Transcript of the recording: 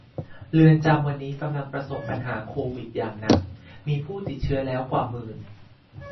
เรือนจำวันนี้กำลังประสบปัญหาโควิดอย่างหนัก มีผู้ติดเชื้อแล้วกว่าหมื่น !